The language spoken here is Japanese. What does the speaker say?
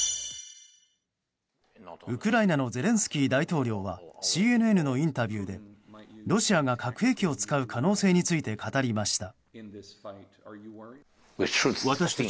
ウクライナのゼレンスキー大統領はＣＮＮのインタビューでロシアが核兵器を使う可能性について語りました。